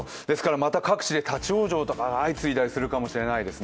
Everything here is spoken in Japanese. また各地で立ち往生とかが出るかもしれないですね。